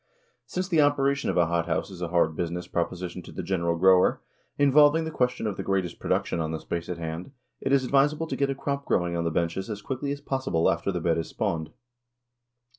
Since the operation of a hothouse is a hard business proposition to the general grower, involving the question of the greatest production on the space at hand, it is advisable to get a crop growing on the benches as quickly as possible after the bed is spawned.